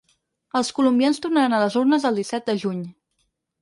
Els colombians tornaran a les urnes el disset de juny.